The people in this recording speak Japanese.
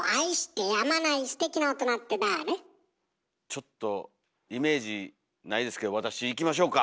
ちょっとイメージないですけど私いきましょうか。